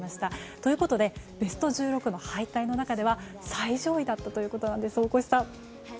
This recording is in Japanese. ということでベスト１６の敗退の中では最上位だったということなんです大越さん。